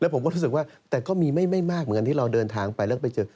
ผมก็รู้สึกว่าแต่ก็มีไม่มากเหมือนกันที่เราเดินทางไปแล้วไปเจอ